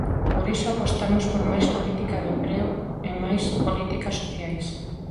Por iso apostamos por máis política de emprego e máis políticas sociais.